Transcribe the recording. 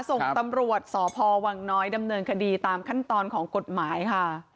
ส่งตำรวจสพวังน้อยดำเนินคดีตามขั้นตอนของกฎหมายค่ะ